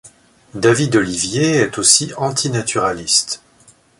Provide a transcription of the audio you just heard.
David Olivier est aussi antinaturaliste.